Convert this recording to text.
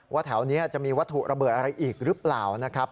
แถวนี้จะมีวัตถุระเบิดอะไรอีกหรือเปล่านะครับ